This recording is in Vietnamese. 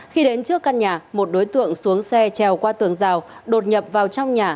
khi đến trước căn nhà một đối tượng xuống xe trèo qua tường rào đột nhập vào trong nhà